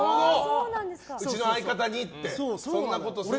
うちの相方にそんなことするなって。